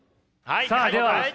さあでは。